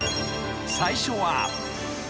［最初は］